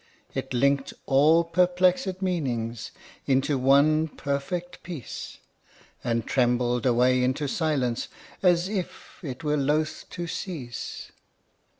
It linked all perplexed meanings Into one perfect peace, And trembled away into silence As if it were loth to cease.